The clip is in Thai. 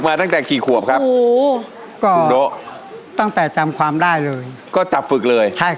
มาตั้งแต่กี่ขวบครับก็ตั้งแต่จำความได้เลยก็จับฝึกเลย